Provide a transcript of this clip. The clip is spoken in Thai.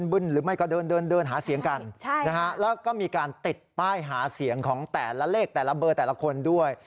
หรือไม่ก็เดินเดินหาเสียงกันแล้วก็มีการติดป้ายหาเสียงของแต่ละเลขแต่ละเบอร์แต่ละคนด้วย